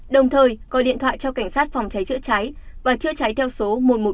đồng thời gọi điện thoại cho cảnh sát phòng cháy chữa cháy và chữa cháy theo số một trăm một mươi bốn